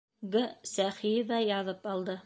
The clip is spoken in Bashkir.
Г. СӘХИЕВА яҙып алды.